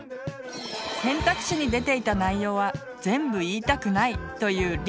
選択肢に出ていた内容は全部言いたくないというりんさん。